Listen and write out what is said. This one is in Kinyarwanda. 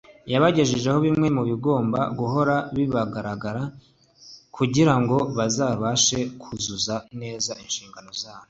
yabagejejeho bimwe mu bigomba guhora bibaranga kugira ngo bazabashe kuzuza neza inshingano zabo